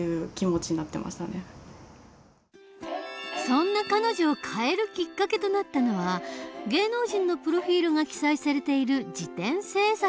そんな彼女を変えるきっかけとなったのは芸能人のプロフィールが記載されている事典制作のアルバイト。